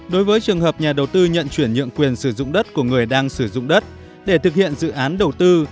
đối với trường hợp nhà đầu tư nhận chuyển nhượng quyền sử dụng đất của người đang sử dụng đất để thực hiện dự án đầu tư